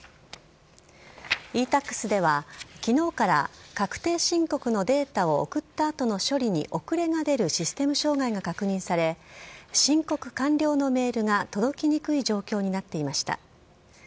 ｅ−Ｔａｘでは、きのうから確定申告のデータを送ったあとの処理に遅れが出るシステム障害が確認され、申告完了のメールが届きにくい状況になっていました。